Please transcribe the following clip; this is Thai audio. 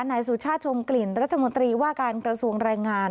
นายสุชาติชมกลิ่นรัฐมนตรีว่าการกระทรวงแรงงาน